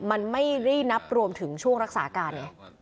มันไม่รี่นับรวมถึงช่วงรักษาการไง